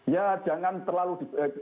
ya jangan terlalu